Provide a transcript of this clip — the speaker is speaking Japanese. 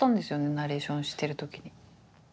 ナレーションしてる時に。